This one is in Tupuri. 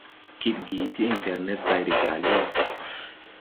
Kidgi ti ɛŋtɛrned bay de gaali wà.